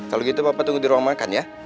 kalau gitu bapak tunggu di ruang makan ya